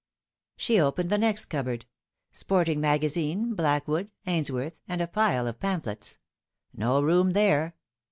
She opened the next cupboard. Sporting Magazine, Blackwood, Ainsworth, and a pile of pamphlets. No room there.